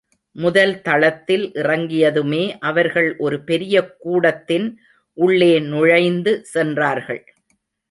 முதல் தளத்தில் இறங்கியதுமே அவர்கள் ஒரு பெரிய கூடத்தின் உள்ளே நுழைந்து சென்றார்கள்.